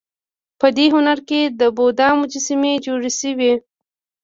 په دې هنر کې د بودا مجسمې جوړې شوې